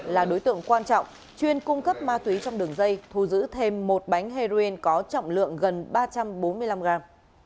là đối tượng quan trọng chuyên cung cấp ma túy trong đường dây thu giữ thêm một bánh heroin có trọng lượng gần ba trăm bốn mươi năm g